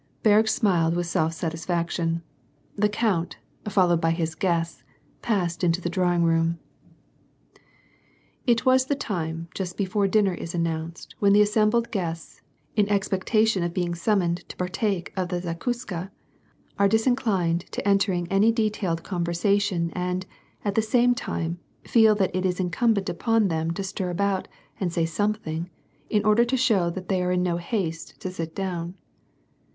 Berg smiled with self satisfaction. The count, followed by his guests, passed into the drawing room. It was the time just before dinner is announced when the assembled guests, in expectation of being summoned to par take of the zakuska, are disinclined to entering any detailed conversation and, at the same time, feel that it is incumbent upon them to stir about and say something, in order to show that they are in no haste to sit down.